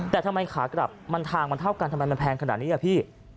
แต่ทำไมค้ากลับทางมันเท่ากับไปทำไมมันแพงขนาดนี้